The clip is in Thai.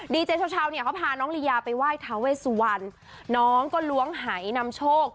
ดีเจเช่าเช่าเนี้ยเขาพาน้องลียาไปไหว้เท้าเวสสุวรรณน้องก็ล้วงหายนำโชค